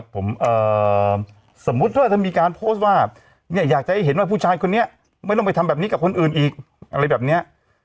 ผมสมมุติว่าถ้ามีการโพสต์ว่าอยากจะให้เห็นว่าผู้ชายคนนี้ไม่ต้องไปทำแบบนี้กับคนอื่นอีกอะไรแบบนี้